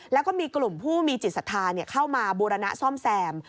แล้วก็มีกลุ่มผู้มีจิตศรัทธาเข้ามาบูรณะซ่อมแซม